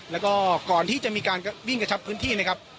แล้วก็ก่อนที่จะมีการวิ่งกระชับพื้นที่นะครับ